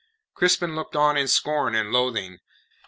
Crispin looked on in scorn and loathing.